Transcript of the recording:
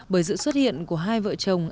bởi sự xuất hiện của hai vợ chồng